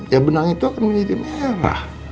ya benang itu akan menjadi merah